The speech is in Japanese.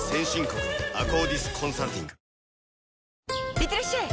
いってらっしゃい！